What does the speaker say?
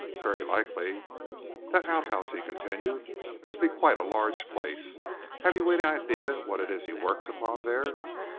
"Very likely." "That outhouse," he continued, "must be quite a large place. Have you any idea what it is he works upon there?"